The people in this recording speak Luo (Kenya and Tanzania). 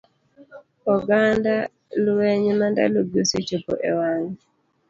Oganda lweny ma ndalogi osechopo e wang'e.